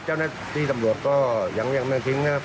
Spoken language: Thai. เจ้าหน้าที่ตำรวจก็ยังไม่ทิ้งนะครับ